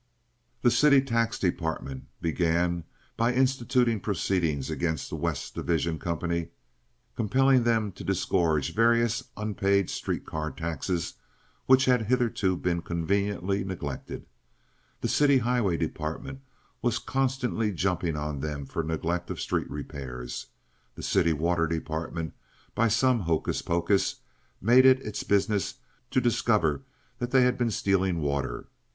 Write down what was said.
The city tax department began by instituting proceedings against the West Division company, compelling them to disgorge various unpaid street car taxes which had hitherto been conveniently neglected. The city highway department was constantly jumping on them for neglect of street repairs. The city water department, by some hocus pocus, made it its business to discover that they had been stealing water.